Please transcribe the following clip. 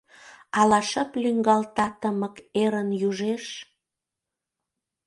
Ала шып лӱҥгалта тымык эрын южеш?